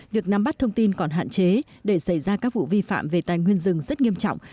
việc nắm bắt thông tin còn hạn chế để xảy ra các vụ vi phạm về tài nguyên rừng rất nghiêm trọng